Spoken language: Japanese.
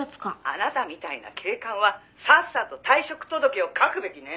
「あなたみたいな警官はさっさと退職届を書くべきね」